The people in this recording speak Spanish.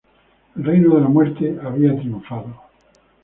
El reino de la muerte había triunfado.